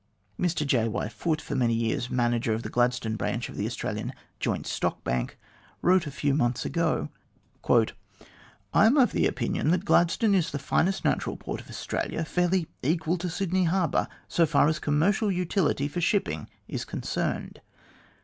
Mr J. Y. Foote, for many years manager of the Gladstone branch of the Australian Joint Stock Bank, wrote a few months ago :" I am of opinion that Gladstone is the finest natural port of Australia, fully equal to Sydney Harbour, so far as commercial utility for shipping is concerned.